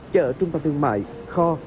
chợ trung tâm thương mại kho